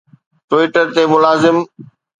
Twitter تي ملازم